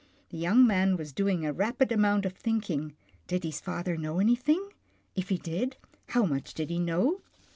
The young man was doing a rapid amount of thinking. Did his father know anything? If he did, how much did he know?